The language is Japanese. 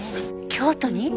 京都に？